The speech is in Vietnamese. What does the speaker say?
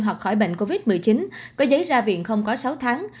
hoặc khỏi bệnh covid một mươi chín có giấy ra viện không có sáu tháng